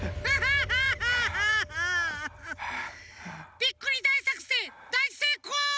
ビックリだいさくせんだいせいこう！